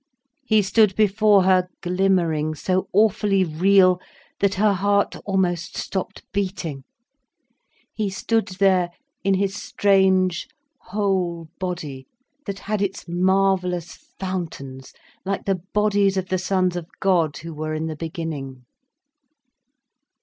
He stood before her, glimmering, so awfully real, that her heart almost stopped beating. He stood there in his strange, whole body, that had its marvellous fountains, like the bodies of the sons of God who were in the beginning.